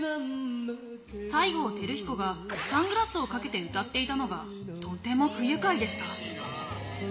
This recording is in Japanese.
西郷輝彦がサングラスをかけて歌っていたのが、とても不愉快でした。